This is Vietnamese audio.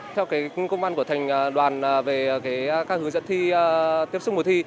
theo công văn của thành đoàn về các hướng dẫn thi tiếp xúc mùa thi